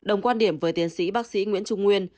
đồng quan điểm với tiến sĩ bác sĩ nguyễn trung nguyên